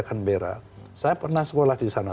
canberra saya pernah sekolah di sana